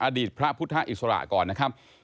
อดีตพระพุทธอิสระก่อนนะครับ